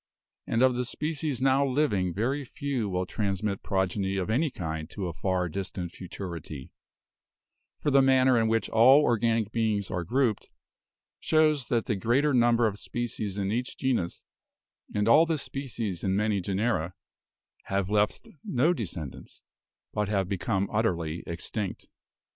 And of the species now living very few will transmit progeny of any kind to a far distant futurity ; for the manner in which all organic beings are grouped, shows that the greater number of species in each genus, and all the species in many genera, have left no descend ants, but have become utterly extinct.